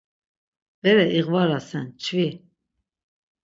Bere iğvarasen, çvi.